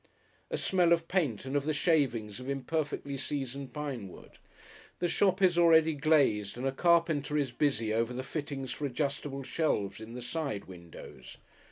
A smell of paint and of the shavings of imperfectly seasoned pinewood! The shop is already glazed and a carpenter is busy over the fittings for adjustable shelves in the side windows.